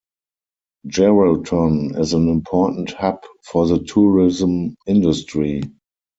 Geraldton is an important hub for the tourism industry.